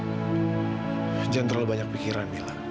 jangan terlalu banyak pikiran mila